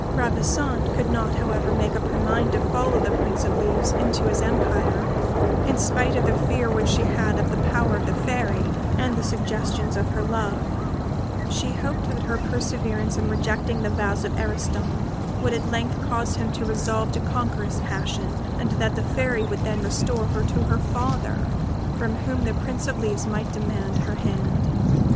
Ravissante could not, however, make up her mind to follow the Prince of Leaves into his empire, in spite of the fear which she had of the power of the Fairy, and the suggestions of her love; she hoped that her perseverance in rejecting the vows of Ariston, would at length cause him to resolve to conquer his passion, and that the Fairy would then restore her to her father, from whom the Prince of Leaves might demand her hand.